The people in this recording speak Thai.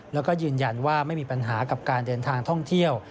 แล้วก็ยืนยันว่าไม่มีปัญหากับการเดินทางท่องเที่ยว